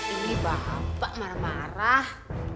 ini bapak marah marah